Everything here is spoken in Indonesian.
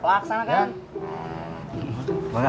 langsung bilang ke sekolah